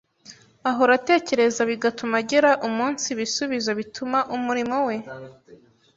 ahora atekereza bigatuma agera umunsi bisubizo bituma umurimo we